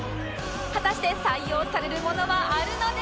果たして採用されるものはあるのでしょうか？